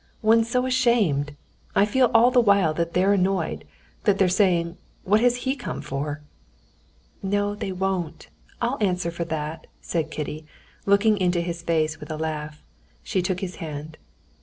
One's so ashamed! I feel all the while that they're annoyed, that they're saying, 'What has he come for?'" "No, they won't. I'll answer for that," said Kitty, looking into his face with a laugh. She took his hand.